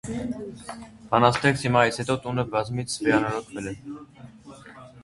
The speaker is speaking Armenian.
Բանաստեղծի մահից հետո տունը բազմիցս վերանորոգվել է։